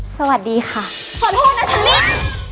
สวัสดีค่ะขอโทษนะฉันนิด